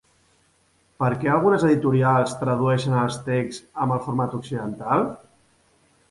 Per què algunes editorials tradueixen els texts amb el format occidental?